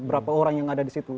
berapa orang yang ada di situ